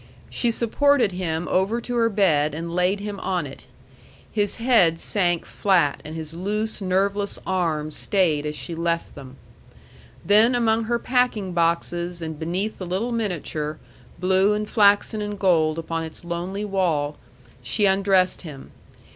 She supported him over to her bed and laid him on it. His head sank flat, and his loose, nerveless arms stayed as she left them. Then among her packing boxes and beneath the little miniature, blue and flaxen and gold upon its lonely wall, she undressed him.